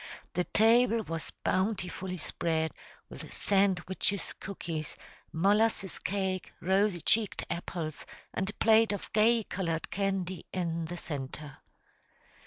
The table was bountifully spread with sandwiches, cookies, molasses cake, rosy cheeked apples, and a plate of gay colored candy in the centre.